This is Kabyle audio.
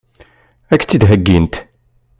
Ad k-t-id-heggint?